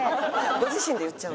ご自身で言っちゃう？